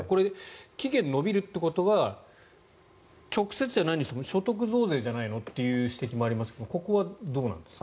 期限が延びるということは直接じゃないですが所得増税じゃないの？という指摘もありますがここはどうなんですか？